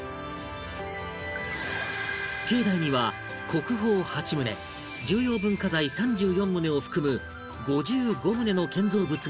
境内には国宝８棟重要文化財３４棟を含む５５棟の建造物があり